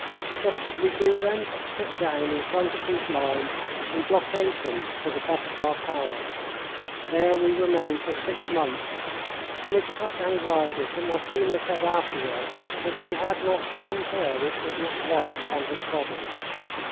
What could we do, then, but sit down in front of these lines and blockade them to the best of our power? There we remained for six months, amid such anxieties that Massena said afterward that he had not one hair which was not white upon his body.